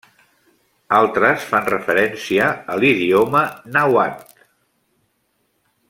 Altres fan referència a l'idioma nàhuatl.